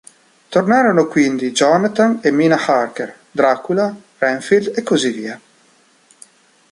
Tornarono quindi Jonathan e Mina Harker, Dracula, Renfield e così via.